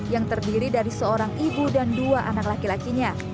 yang terdiri dari seorang ibu dan dua anak laki lakinya